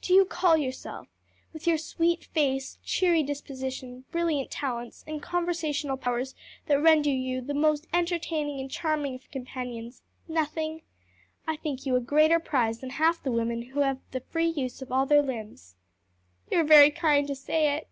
"Do you call yourself with your sweet face, cheery disposition, brilliant talents, and conversational powers that render you the most entertaining and charming of companions nothing? I think you a greater prize than half the women who have the free use of all their limbs." "You are very kind to say it."